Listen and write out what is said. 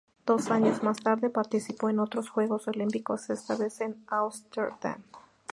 Dos años más tarde participó en otros Juegos Olímpicos, esta vez en Ámsterdam.